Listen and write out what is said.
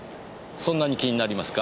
そんなに気になりますか？